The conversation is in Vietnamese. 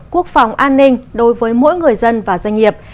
quốc phòng an ninh đối với mỗi người dân và doanh nghiệp